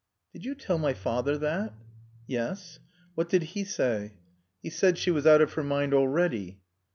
"Did you tell my father that?" "Yes." "What did he say?" "He said she was out of her mind already."